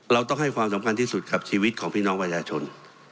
เราต้องให้ความสำคัญที่สุดกับชีวิตของพี่น้องประชาชน